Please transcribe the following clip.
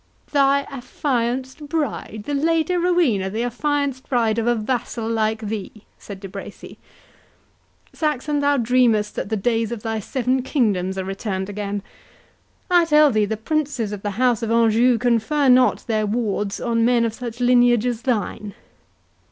"Thy affianced bride?—The Lady Rowena the affianced bride of a vassal like thee?" said De Bracy; "Saxon, thou dreamest that the days of thy seven kingdoms are returned again. I tell thee, the Princes of the House of Anjou confer not their wards on men of such lineage as thine."